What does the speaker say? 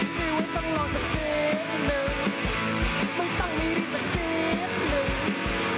ชีวิตต้องรอสักชิ้นหนึ่งไม่ต้องมีสักชิ้นหนึ่ง